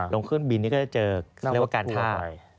ลงเครื่องบินนี่ก็จะเจอเรียกว่าการท่า